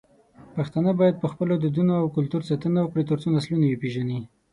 پښتانه بايد په خپلو دودونو او کلتور ساتنه وکړي، ترڅو نسلونه يې وپېژني.